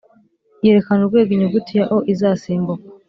yerekana urwego Inyuguti ya O izasimbukwa